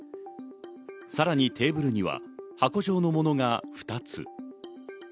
さらにテーブルには箱状のものが２つ。